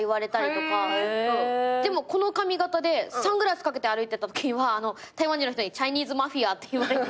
でもこの髪形でサングラス掛けて歩いてたときは台湾人の人に「チャイニーズマフィア」って言われて。